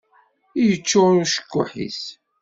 Yeččur ucekkuḥ-is.